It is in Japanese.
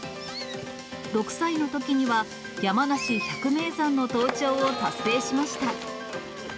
６歳のときには、山梨百名山の登頂を達成しました。